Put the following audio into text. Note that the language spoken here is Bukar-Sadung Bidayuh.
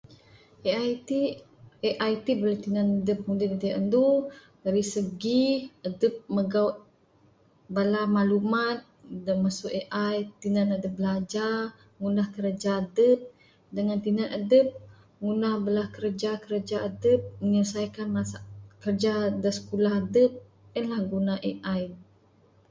AI ti, AI ti buleh tinen adep indi indi andu dari segi adep mageu bala maklumat da masu AI, tinen adep blajar ngunah kraja adep dengan tinen adep ngunah bala kraja kraja adep menyelesaikan masa ... kraja da skulah adep, en lah guna AI.